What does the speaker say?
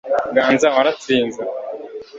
ganza waratsinze